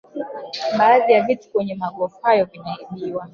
Baadhi ya vitu kwenye magofu hayo vinaibwa